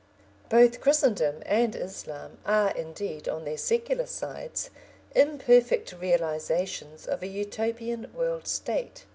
Both Christendom and Islam are indeed on their secular sides imperfect realisations of a Utopian World State.